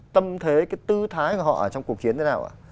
tâm thế cái tư thái của họ trong cuộc chiến thế nào ạ